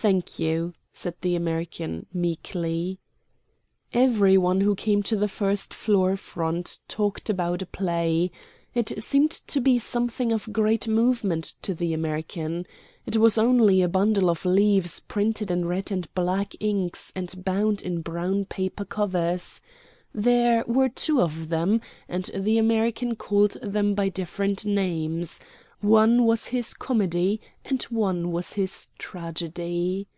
"Thank you," said the American, meekly. Every one who came to the first floor front talked about a play. It seemed to be something of great moment to the American. It was only a bundle of leaves printed in red and black inks and bound in brown paper covers. There were two of them, and the American called them by different names: one was his comedy and one was his tragedy.